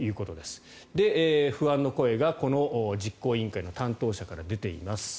不安の声がこの実行委員会の担当者から出ています。